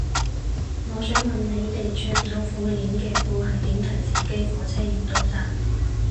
我想問你哋着有褲鏈嘅褲係點提自己火車要到站